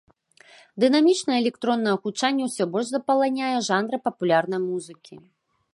Дынамічнае электроннае гучанне ўсё больш запаланяе жанр папулярнай музыкі.